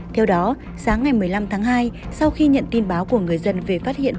theo đó sáng ngày một mươi năm tháng hai sau khi nhận tin báo của người dân về phát hiện